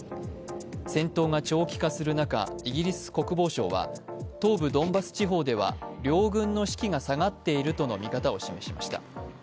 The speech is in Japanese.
戦闘が長期化する中、イギリス国防省は東部ドンバス地方では両軍の士気が下がっているとの見方を示しました。